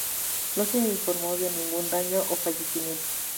No se informó de ningún daño o fallecimiento.